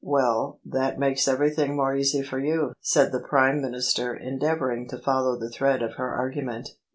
"Well, that makes everything more easy for you," said the Prime Minister, endeavouring to follow the thread of her argument.